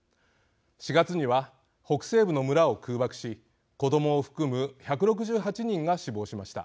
４月には北西部の村を空爆し子どもを含む１６８人が死亡しました。